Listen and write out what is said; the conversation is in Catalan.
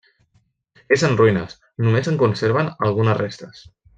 És en ruïnes; només se'n conserven algunes restes.